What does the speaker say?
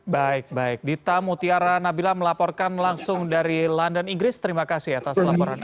baik baik dita mutiara nabila melaporkan langsung dari london inggris terima kasih atas laporan anda